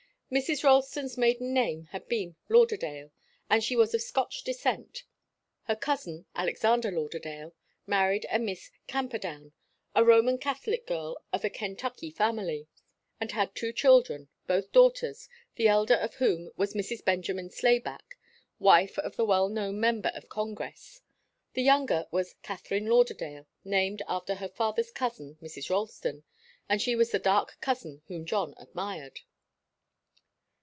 Mrs. Ralston's maiden name had been Lauderdale, and she was of Scotch descent. Her cousin, Alexander Lauderdale, married a Miss Camperdown, a Roman Catholic girl of a Kentucky family, and had two children, both daughters, the elder of whom was Mrs. Benjamin Slayback, wife of the well known member of Congress. The younger was Katharine Lauderdale, named after her father's cousin, Mrs. Ralston, and she was the dark cousin whom John admired.